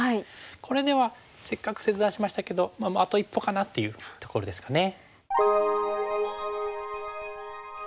これではせっかく切断しましたけどまああと一歩かなというところですかね。